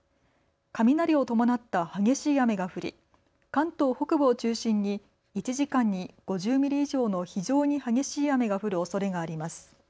雷を伴った激しい雨が降り関東北部を中心に１時間に５０ミリ以上の非常に激しい雨が降るおそれがあります。